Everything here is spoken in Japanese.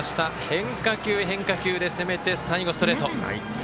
変化球、変化球で攻めて最後、ストレート。